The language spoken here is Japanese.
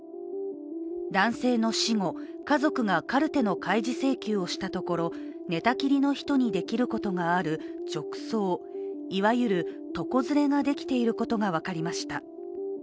男性の死後家族がカルテの開示請求をしたところ寝たきりの人にできることがあるじょくそう、いわゆる床ずれができていることが分かりました。